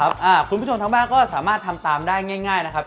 คุณผู้ชมทางบ้านก็สามารถทำตามได้ง่ายนะครับ